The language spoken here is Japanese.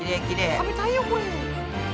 食べたいよこれ！